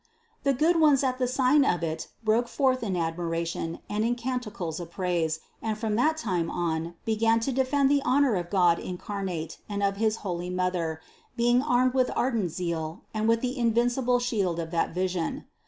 The good ones at the sign of it broke forth in admiration and in canticles of praise and from that time on began to defend the honor of the God in carnate and of his holy Mother, being armed with ardent zeal and with the invincible shield of that vision.